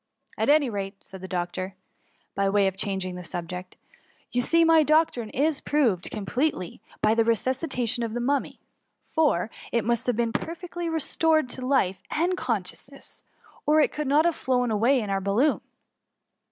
<' At any rate/' said the doctor, by way of changing the subject, '* you see my doctrine is proved completely by the resusdtation of the Mummy, for it must have been perfectly re stored to life and consciousness, or it could not have flown away with our balloon."